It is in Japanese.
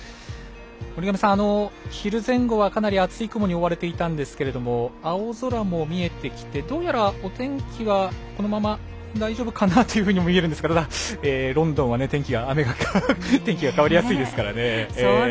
森上さん、昼前後はかなり厚い雲に覆われていたんですけれども青空も見えてきてどうやらお天気はこのまま大丈夫かなというふうに見えるんですがロンドンは天気が変わりやすいですからね。